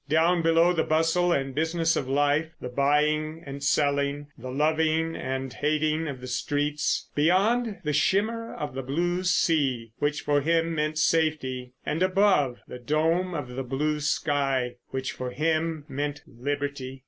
Down below the bustle and business of life; the buying and selling, the loving and hating of the streets. Beyond, the shimmer of the blue sea, which for him meant safety. And, above, the dome of the blue sky, which for him meant liberty!